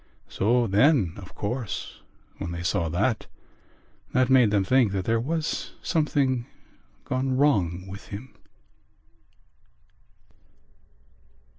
So then, of course, when they saw that, that made them think that there was something gone wrong with him...."